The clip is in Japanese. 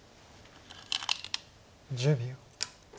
１０秒。